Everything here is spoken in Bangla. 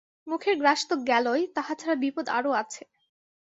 মুখের গ্রাস তো গেলই, তাহা ছাড়া বিপদ আরও আছে।